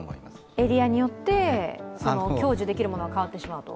エリアによって享受できるものが変わってしまうと？